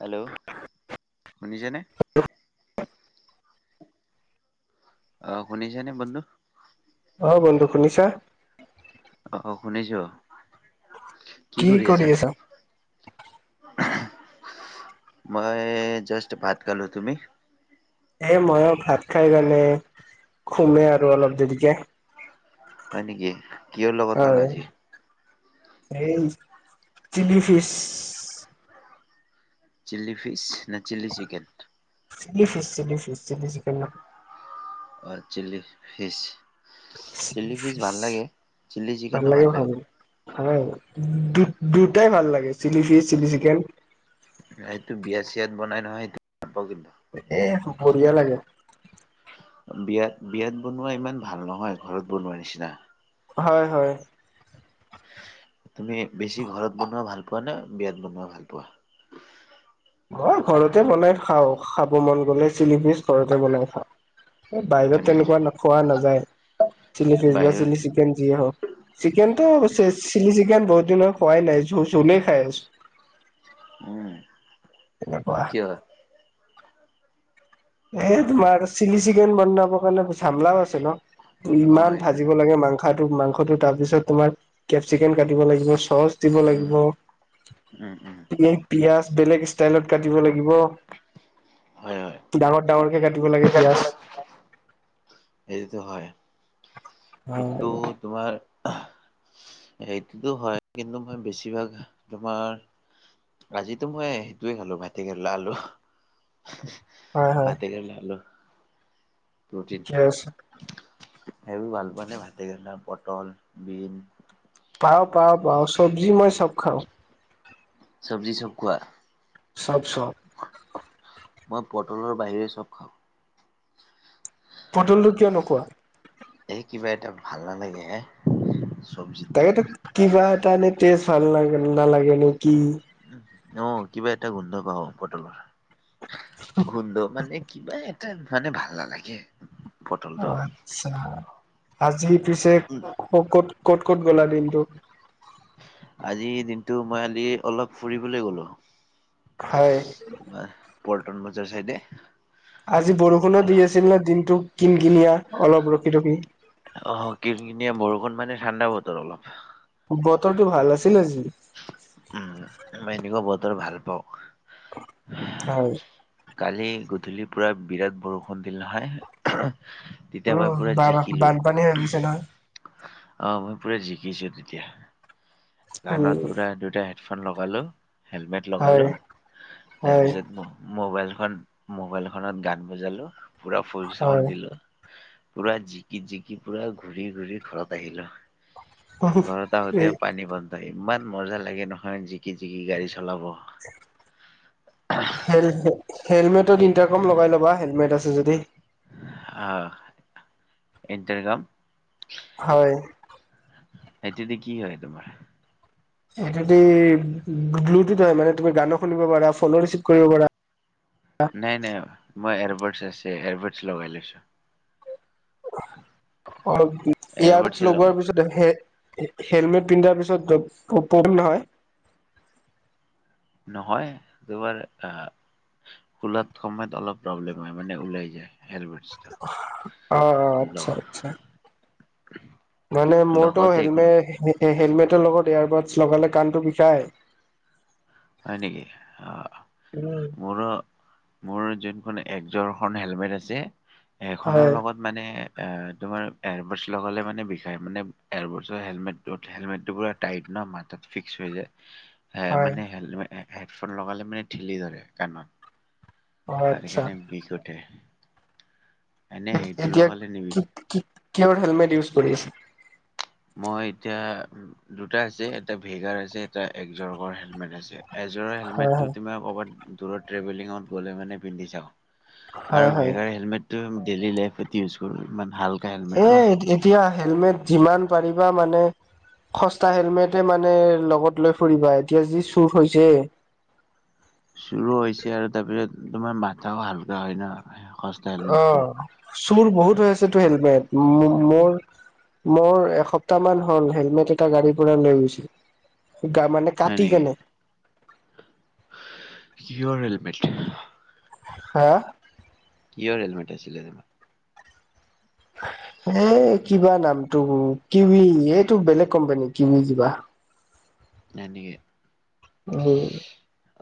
Hello শুনিছেনে? অ শুনিছেনে বন্ধু? অ বন্ধু শুনিছা? অ অ শুনিছো, কি কৰি আছা? মই জাষ্ট ভাত খালো, তুমি? এ মইও ভাত খাই কাৰণে খুমে আৰু অলপ দেৰিকে। হয় নেকি? কিহৰ লগত খালা আজি? সেই চিলি ফিছ চিলি ফিচ নে chilli chicken? Chilli fish chilli fish chilli chicken ন। অ চিলি ফিচ, চিলি ফিচ ভাল লাগে, চিলি চিকেনো ভাল লাগে। হয় দু -দুটাই ভাল লাগে চিলি ফিচ, চিলি চিকেন। সেইটো বিয়া - চিয়াত বনাই নহয় সেইটো খাব কিন্তু। এ বঢ়িয়া লাগে। বিয়াত - বিয়াত বনোৱা ইমান ভাল নহয় ঘৰত বনোৱা নিচিনা। হয় হয় তুমি বেছি ঘৰত বনোৱা ভাল পোৱা নে বিয়াত বনোৱা ভাল পোৱা, মোৰ ঘৰতে বনাই খাও খাব মন গ'লে চিলি ফিচ ঘৰতে বনাই খাওঁ, বাহিৰত হয় নেকি? তেনেকুৱা নোখোৱা নাযায় চিলি ফিচ বা বাহিৰ চিলি চিকেন যিয়ে হওক, চিকেনতো চে চিলি চিকেন বহুত দিনৰ খোৱাই নাই ঝু ঝুলেই খাই আছো, উম কেনেকুৱা কিয়? এ তোমাৰ চিলি চিকেন বনাবৰ কাৰণে ঝামলাও আছে ন অ' ইমান এইটোতো ভাজিব লাগে মাংস, টো মাংসটো তাৰপিছত তোমাৰ কেপচিকম কাটিব লাগিব চচ, দিব উম লাগিব, উম উম। তুমি পিয়াজ বেলেগ ষ্টাইলত কাটিব লাগিব, হয় হয় ডাঙৰ ডাঙকে কাটিব লাগে পিয়াজ, এইটোতো হয় উম আৰু তোমাৰ সেইটোতো হয় কিন্তু মই বেছিভাগ তোমাৰ, আজিতো মই সেইটোৱে খালো ভতেকেৰেলা আলু হয় হয় ভাতে কেৰেলা আলু, প্ৰটিন ঠিকে আছে সেইবোৰ ভাল পোৱা নে ভাতেকেৰেলা, পটল, বিন, পাওঁ পাওঁ পাওঁ চব্জি মই চব খাওঁ, চব্জি চব খোৱা, চব চব, মই পটলৰ বাহিৰে চব খাওঁ, পটলটো কিয় নোখোৱা? এ কিবা এটা ভাল নালাগে হে চবজি তাকেতো কিবা এটা এনেই তেজ ভাল লাগে নালাগে নেকি, অ কিবা এটা গোন্ধ পাওঁ পটলৰ গোন্ধ মানে কিবা এ, তা মানে ভাল নালাগে, অ পটলটো আচ্ছা আজি পিছে ক ক'ত ক'ত ক'ত গ'লা দিনটো? আজিৰ দিনটো মই আলি অলপ ফুৰিবলৈ গলো, হয় তোমাৰ পল্টন বজাৰ চাইডে, আজি বৰষুনো অলা দি আছিল ন দিনটো কিন কিনিয়া অলপ ৰখি ৰখি, অ কিন কিনীয়া বৰষুণ মানে ঠাণ্ডা বতৰ অলপ, বতৰটো ভাল আছিল আজি, উম মই এনেকুৱা বতৰ ভাল পাও, হয় কালি গধূলি পুৰা বিৰাট বৰষুণ দিল নহয়, তেতিয়া মই উম পুৰা বা জিকিলো, বানপানী হৈ গৈছে নহয় অহ মই পুৰা জিকিছো তেতিয়া, উম কাণত পুৰা দুটা হেডফোন লগালো হেলমেট হয় লগালো হয় তাৰপিছত ম মবাইলখন মোবাইল খনত গান বজালো পুৰা ফুল হয় চাউণ্ড দিলো, পুৰা জিকি জিকি পুৰা ঘূৰি ঘূৰি ঘৰত আহিলো ঘৰত আহোতেও পানী বন্ধ ইমান মজা লাগে নহয় জিকি জিকি গাড়ী চলাব হেল হেলমেটত ইনটাৰকম লগাই ল'বা হেলমেট আছে যদি আ ইণ্টাৰগাম হয় সেইটো দি কি হয় তোমাৰ, সেইটোদি ব্লুটুথ হয় মানে তুমি গানো শুনিব পাৰা ফোনো ৰিচিভ কৰিব পাৰা, নাই নাই মই এয়াৰবাতচ আছে এয়াৰবাতছ লগাই লৈছো, অলপ এয়াৰবাতচ এয়াৰবাডছে লগোৱা লগোৱাৰ পিছত সে হে হেলমেট পিন্ধাৰ পিছত প্ৰব প্ৰব্লেম নহয়? নহয় তোমাৰ আহ, খোলাত সময়ত অলপ প্ৰব্লেম হয় মানে ওলাই যায় হেলমেটচ, অ আচ্ছা আচ্ছা [unintelligible] মানে মোৰতো লগতে একো নহয় হেলমেট হে হেলমেটৰ লগত এয়াৰবাডছ লগালে কাণটো বিষাই হয় নেকি অ উম। মো-ৰ মোৰ যোনখন একযোৰ খন হেলমেট আছে সেইখনৰ হয় লগত মানে এ তোমাৰ এয়াৰবৰ্ডছ লগালে মানে বিষায় মানে এয়াৰবৰ্ডছৰ হেলমেট তলত হেলমেটটো পুৰা টাইট ন মাতাত ফিক্স হৈ যায় হেল হয় মানে হেল হেডফোন লগালে মানে ঠেলি ধৰে কাণত অ', তাত আচ্ছা সেকানে বিষ উঠে এনে সেইটো এতিয়া লগালে নিবিষ কি কি কিহৰ হেলমেট ইউজ কৰি আছ মই এতিয়া দুটা আছে এটা ভেগাৰ আছে এটা একজৰগৰ হেলমেট আছে এজৰৰ হয় হেলমেটটো হয়। তোমাৰ ক'বাত দূৰত ট্ৰেভেলিঙত গ'লে মানে পিন্ধি যাওঁ আৰু হয় হয় ভেগাৰ হেলমেট ডেইলি লাইফত ইউজ কৰো ইমান ভাল এ এ এতিয়া হেলমেট যিমান পাৰিবা মানে সস্তা হেলমেটে মানে লগত লৈ ফুৰিবা এতিয়া যি চুৰ হৈছে চুৰ হৈছে আৰু তাৰ পিছত তোমাৰ মাথাও হাল্কা হয় ন সচ অ চোৰ বহুত হৈ আছে টো হেলমেট মোৰ মোৰ এসপ্তাহ মান হল হেলমেট এটা গাড়ীৰ পৰা লৈ গৈছ গা মানে হয় কাটি নেকি কেনে কিহৰ হেলমেট হা কিহৰ হেলমেটে আছিলে তোমাৰ এ কিবা নামটো কিউবি এইটো বেলেগ কোম্পানী কিউবি জিবা নাই নেকি উম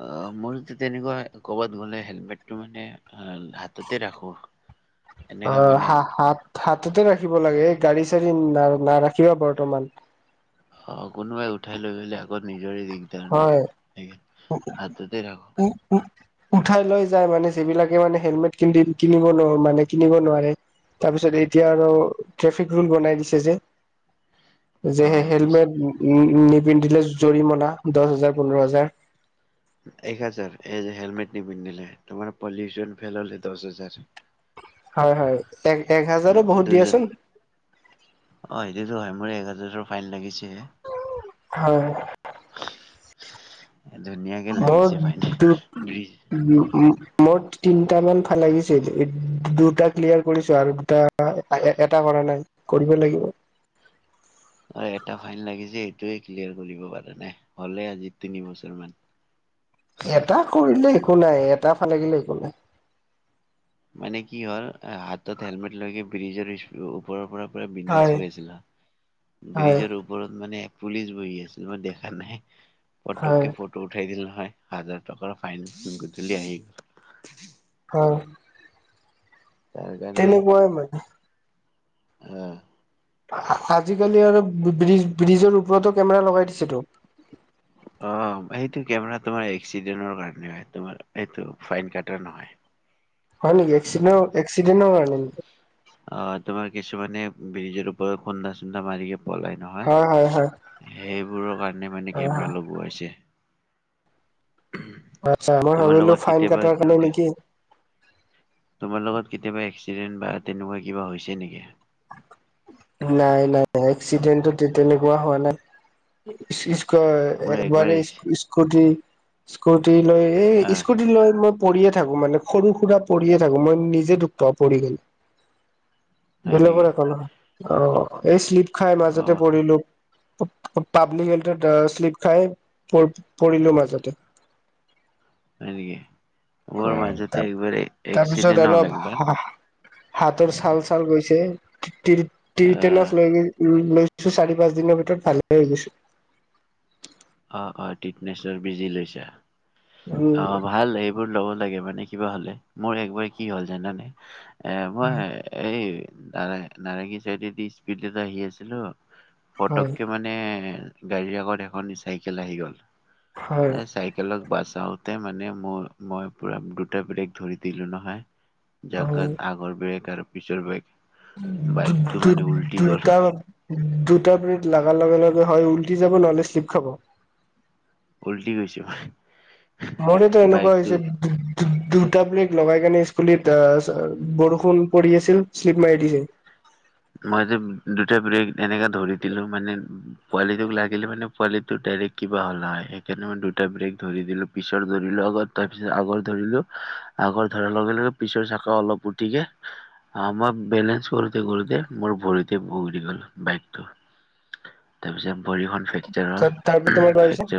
অ মোৰ তেনেকুৱা কৰ'বাত গ'লে হেলমেটটো মানে হা হাততে ৰাখো অ এনেকা মানে হা হাত হাততে ৰাখিব লাগে এই গাড়ী চাড়ী না নাৰাখিবা বৰ্তমান অ কোনোবাই উঠাই লৈ গলে আগত নিজৰে দিগদাৰ ন সেই উ উম উম উঠাই লৈ যায় মানে যিবিলাকে মানে হেলমেট কি কিনিব নো মানে কিনিব নোৱাৰে তাৰপিছত এতিয়া আৰু ট্ৰেফিক ৰুল বনাই দিছে যে [inaudible] যে পিছ হেলমেট উ নিপিন্ধিলে জৰিমনা দহ হাজাৰ পোন্ধৰ হাজাৰ এক হাজাৰ এই হেলমেট নিপিন্ধিলে তোমাৰ পলিউচন ফেল হলে দহ হাজাৰ [inaudible] হয় হয় এক এক হাজাৰো বহুত দুজন দিয়াচোন অ সেইটোৱে টো হয় মোৰ এক হাজাৰৰো ফাইন লাগিছেহে হয় ধুনীয়াকে মোৰ লাগিছে ফাইন বহুত ব্ৰিজ উ উ [unintelligible] মোৰ তিনিটা মান ফাইন লাগিছিল দুটা ক্লিয়াৰ কৰিছোঁ আৰু দুটা এটা কৰা নাই কৰিব লাগিব। অ এটা ফাইন লাগিছে এইটোৱে ক্লিয়াৰ কৰিব পৰা নাই হলে আজি তিনি বছৰ মান। এটা কৰিলে একো নাই এটা ফাইন লাগিলে একো নাই মানে কি হল হাতত হেলমেট লৈকে ব্ৰিজৰ ওপৰৰ পৰা পুৰা বিন্দাছ হয় গৈ আছিলো হা হয় ব্ৰিজৰ ওপ ওপৰত মানে পুলিচ বহি আছিল মই দেখা নাই হয় পটককে ফটো উঠাই দিল নহয় হাজাৰ টকাৰ ফাইন গধূলি আহি। অ তাৰ কাৰণে তেনেকুৱাই মানে অ। আজিকালি আৰু ব্ৰিজ ব্ৰিজৰ ওপৰতো কেমেৰা লগাই দিছেতো। অ সেইটো কেমেৰা তোমাৰ এক্সিডেন্টৰ কাৰণে হয় তোমাৰ এইটো ফাইন কাটা নহয়। [inaudible] হয় নেকি এক এক্সিডেণ্টৰ কাৰণে নেকি। অ তোমাৰ কিছুমানে ব্ৰিজৰ ওপৰত খুন্দা চুন্দা মাৰিকে পলাই। হয় হয় নহয়, হয় সেইবোৰৰ কাৰণে মানে হয় কেমেৰা হয় লগোৱাইছে। আচ্ছা মই তোমাৰ ভাবিলো লগত ফাইন কেতিয়াবা কাটাৰ কাৰণে নেকি? তোমাৰ লগত কেতিয়াবা এক্সিডেন্ট বা তেনেকুৱা কিবা হৈছে নেকি। নাই নাই নাই এক্সিডেণ্ট তেনেকুৱা হোৱা নাই। ইচ্ ইচ্ কৈ মোৰ একবাৰ এক্স স্কুটি স্কুটি লৈ। এ আহ স্কুটি লৈ মই পৰিয়ে থাকো মানে সৰু সুৰা পৰিয়ে থাকো মই নিজে দুখ পাও পৰি কেন। হয় নেকি? বেলেগৰ কাৰণে হয় অ এই শ্লিপ খাই মাজতে অ' পৰিলো। পাব্লিক হেল্থত শ্লিপ খাই প পৰিলো মাজতে। হয় নেকি অ মোৰ মাজতে একবাৰ তাৰপিছত এক্সিডেট অলপ হল একবাৰ। হাতৰ চাল চাল গৈছে টিৰি আহ টিৰিটেনছ লৈ গৈ। উম লৈছো চাৰি পাঁচ দিনৰ ভিতৰত ভালে হৈ গৈছো। অ অ টিটনেচৰ বিজি লৈছা উম অ ভাল এই। বোৰ লব লাগে মানে কিবা হলে মোৰ একবাৰ কি হ'ল জানা নাই এ মই এই। নাৰা নাৰেংগী চাইডে দি স্পীডত আহি আছিলো হয় পটককে মান এই গাড়ী আগত এখন চাইকেল আহি গ'ল হয় এ চাইক চাইকেলক বচাওতে মানে মোৰ মই পুৰা দুটা বেলেগ ধৰি দিলো নহয়। হয় জাগাত আগৰ ব্ৰেগ আৰু পিছৰ ব্ৰেগ। দুওঁ দুওঁ দুটা দুটা ব্ৰেগ লাগাৰ লগে লগে হয় উলটি যাব নহলে চিপ খাব। উল্টি গৈছো মই মোৰতো এনেকুৱা হৈছে দু দু দুটা ব্লেক লগাই কেনে স্কুলিত আ বৰষুণ পৰি আছিল শ্লিপ মাৰি দিছে মই যে দুটা ব্ৰেক এনেকা ধৰি দিলো মানে পোৱালিটোক লাগিলে মানে পোৱালিটো ডাইৰে্ট। কিবা হ'ল নহয় সেইকাৰণে মই দুটা ব্ৰেক ধৰি দিলো পিছত ধৰিলো আগত তাৰ পিছত আগত ধৰিলো। আগৰ ধৰা লগে লগে পিছৰ চাকা অলপ উঠিকে আ মই বেলেঞ্চ কৰোতে কৰোতে। মোৰ ভৰিতে বগৰি গল বাইকটো তাৰপিছত ভৰিখন। সেইটো তাৰপিছত তোমাৰ কি হৈছে সেইটো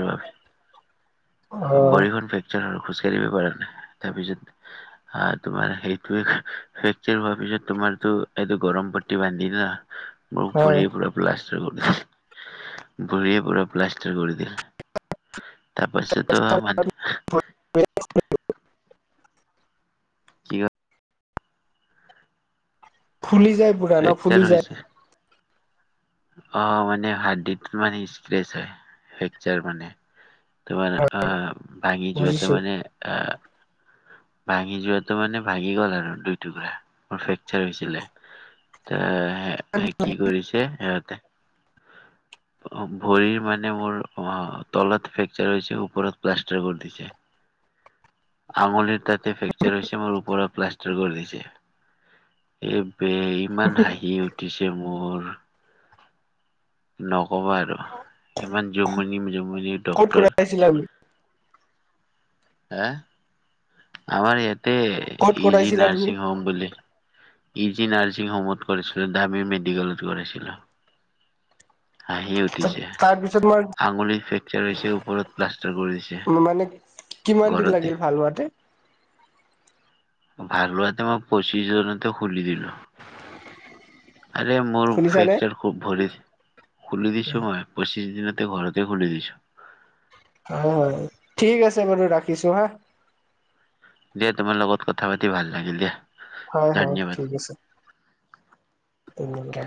অ ভৰিখন ফ্ৰে চাৰ হল খোজকাঢ়িব পাৰা নাই তাৰপিছত আ তোমাৰ সেইটোৱে সেইটোৱে হোৱাৰ পিছত তোমাৰতো এইটো গৰম বাত দি বান্ধি না গ হয় ভৰি পৰপ প্লাষ্টাৰ কৰি ভৰিয়ে পুৰা প্লাষ্টাৰ কৰি দিলে। তাপাচতো মাত কি হল ফুলি যায় পুৰা ন ফ্ৰেকচাৰ ফুলি যায়। হৈছে অ মানে হাড়দিত মানে স্ক্ৰেচ হয় ফেকচাৰ মানে। তোমাৰ আহ ভাঙি যোৱাটো বুজিছো মানে আহ। ভাঙি যোৱাটো মানে ভাঙি গ'ল আৰু দুই টুকুৰা মোৰ ফ্ৰেকচাৰ হৈছিলে। এ এ কি কৰিছে এঅহঁতে অ ভৰিৰ মানে মোৰ অ তলত ফ্ৰেকচাৰ হৈছে ওপৰত প্লাষ্টাৰ কৰি দিছে। আঙুলিৰ তাতে ফ্ৰেকচাৰ হৈছে মোৰ ওপৰত প্লাষ্টাৰ কৰি দিছে। এই-বে ইমান হাঁহি উঠিছে মোৰ। নকবা আৰু ইমান জমনি জমনিত ক'ত কৰাছিলা বোলো এহ আমাৰ ইয়াতে ক'ত ইজি কৰাইছিলা তুমি নাৰ্ছিং হোম বুলি। ই জি নাৰ্ছিং হোমত কৰিছিলোঁ দামি মেডিকেলত কৰিছিলোঁ। হাঁহি উঠিছে তাৰপিছত মই আঙুলিত ফ্ৰেকচাৰ হৈছে ওপৰত প্লাষ্টাৰ কৰি দিছে। মানে কিমান দিন ঘৰতে। লাগিল ভাল হোৱাতে। ভাল হোৱাতে মই পঁচিছ দিনতে খুলি দিলো। আৰে মোৰ শুনিছানে ফেকচাৰ খুব ভৰি খুলি দিছো মই পঁচিছ দিনতে ঘৰত। জে খুলি দিছো। হয় ঠিক আছে বাৰু ৰাখিছো হা। দিয়া তোমাৰ লগত কথা পাতি ভাল লাগিল দিয়া। হয় হয় ধন্যবাদ। ঠিক আছে। উম দে।